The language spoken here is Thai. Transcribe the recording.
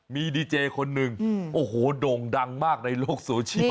มีดีเจคนนึงโด่งดังมากในโลกโซเชียล